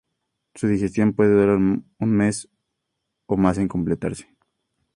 Su digestión puede durar un mes o más en completarse.